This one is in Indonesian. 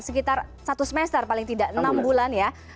sekitar satu semester paling tidak enam bulan ya